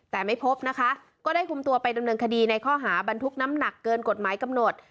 แต่ไม่พบนะคะก็ได้คุมตัวไปดำเนินคดีในข้อหาบรรทุกน้ำหนักเกินกฎหมายกำหนด